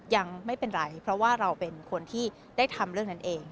เสียหายต่อตัวช่อยังไม่เป็นไรเพราะว่าเราเป็นคนที่ได้ทำเรื่องนั้นเอง